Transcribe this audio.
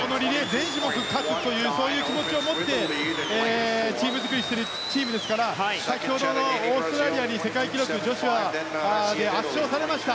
全種目勝つというそういう気持ちを持ってチーム作りをしてるチームですから先ほどのオーストラリアに世界記録、女子は圧勝されました。